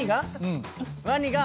ワニが？